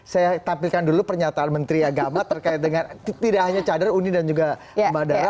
saya tampilkan dulu pernyataan menteri agama terkait dengan tidak hanya cadar uni dan juga mbak dara